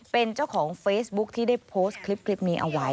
เป็นเจ้าของเฟซบุ๊คที่ได้โพสต์คลิปนี้เอาไว้